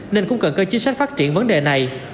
nên cũng cần cơ chính sách phát triển vấn đề này